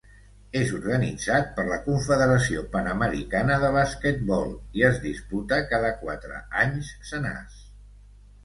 És organitzat per la Confederació Panamericana de Basquetbol i es disputa cada quatre anys senars.